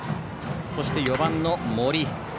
そして４番の森。